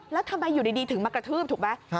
แล้วทำไมอยู่ดีถึงมากระทืบถูกไหม